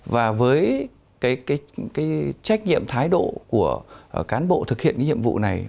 và với cái trách nhiệm thái độ của cán bộ thực hiện cái nhiệm vụ này